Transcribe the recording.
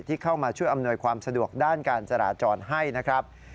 ที่เข้ามาช่วยอำนวยความสะดวกด้านการจราจรให้นะครับ